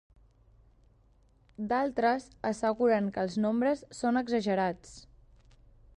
D'altres asseguren que els nombres són exagerats.